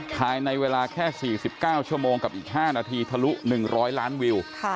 ถ่ายในเวลาแค่สี่สิบเก้าชั่วโมงกับอีกห้านาทีทะลุหนึ่งร้อยล้านวิว